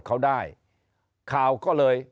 เขาได้ข่าวก็